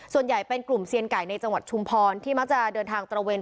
ส่วนใหญ่เป็นกลุ่มเซียนไก่ในจังหวัดชุมพรที่มักจะเดินทางตระเวน